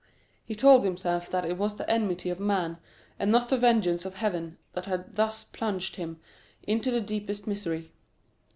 He told himself that it was the enmity of man, and not the vengeance of Heaven, that had thus plunged him into the deepest misery.